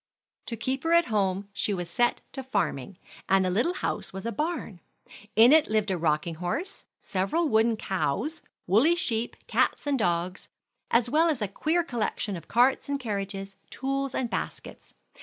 To keep her at home she was set to farming, and the little house was a barn. In it lived a rocking horse, several wooden cows, woolly sheep, cats and dogs, as well as a queer collection of carts and carriages, tools and baskets.